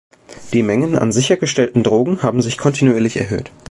Die Mengen an sichergestellten Drogen haben sich kontinuierlich erhöht.